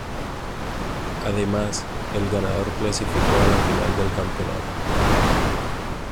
Además el ganador clasificó a la Final del Campeonato.